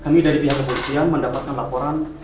kami dari pihak kepolisian mendapatkan laporan